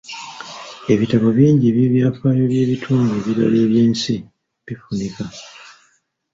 Ebitabo bingi eby'ebyafaayo by'ebitundu ebirala eby'ensi bifunika.